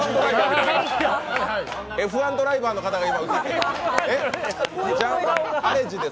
Ｆ１ドライバーの方が今映ってます。